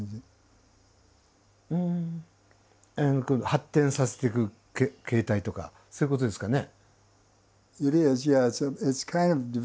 発展させていく形態とかそういうことですかね。